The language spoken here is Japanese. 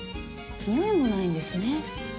においもないんですね。